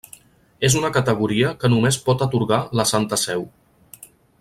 És una categoria que només pot atorgar la Santa Seu.